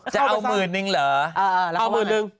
จะเอา๑๐๐๐๐หนึ่งเหรอเออเอา๑๐๐๐๐หนึ่ง